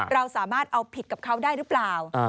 เราสามารถเอาผิดกับเขาได้หรือเปล่า